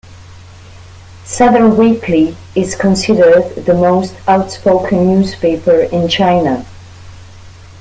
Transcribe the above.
"Southern Weekly" is considered the most outspoken newspaper in China.